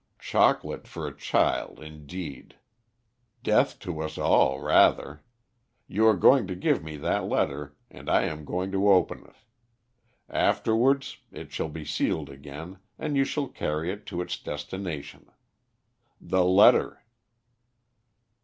Chocolate for a child, indeed. Death to us all, rather. You are going to give me that letter and I am going to open it. Afterwards it shall be sealed again, and you shall convey it to its destination. The letter!"